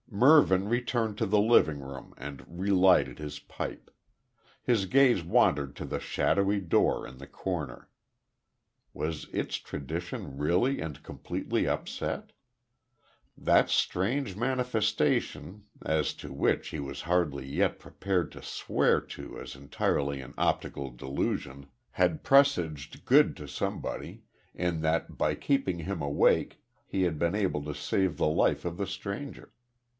Mervyn returned to the living room and re lighted his pipe. His gaze wandered to the shadowy door in the corner. Was its tradition really and completely upset? That strange manifestation, as to which he was hardly yet prepared to swear to as entirely an optical delusion had presaged good to somebody, in that by keeping him awake he had been able to save the life of the stranger.